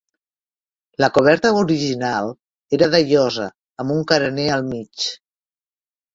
La coberta original era de llosa amb un carener al mig.